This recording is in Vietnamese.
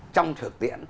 trong thực tiễn